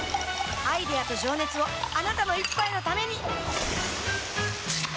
アイデアと情熱をあなたの一杯のためにプシュッ！